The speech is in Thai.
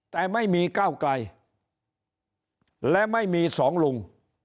แต่ไม่มีก้าวไกลและไม่มีสองลุง